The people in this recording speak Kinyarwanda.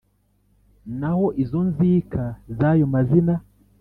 naho izo nzika z`ayo mazina